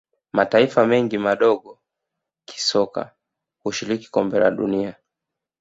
mataifa mengi madogo kisoka hushiriki kombe la dunia